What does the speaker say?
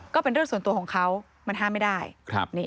ก็เป็นเรื่องส่วนตัวของเขามันห้ามไม่ได้